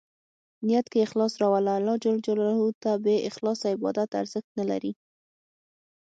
نیت کې اخلاص راوله ، الله ج ته بې اخلاصه عبادت ارزښت نه لري.